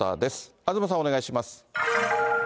東さん、お願いします。